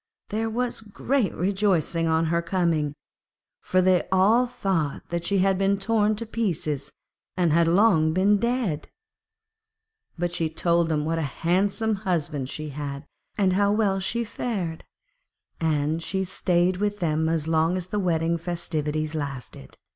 There was great rejoicing on her coming, for they all thought that she had been torn to pieces and had long been dead. [Illustration: {She went away accompanied by the Lions.}] But she told them what a handsome husband she had and how well she fared; and she stayed with them as long as the wedding festivities lasted.